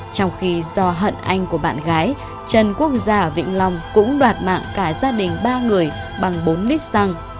trong khi do hận anh của bạn gái trần quốc gia ở vĩnh long cũng đoạt mạng cả gia đình ba người bằng bốn lít xăng